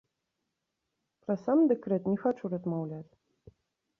Пра сам дэкрэт не хачу размаўляць.